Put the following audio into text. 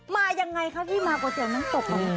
มาอย่างไรครับพี่มาก๋วยเตี๋ยวน้ำตกบอกให้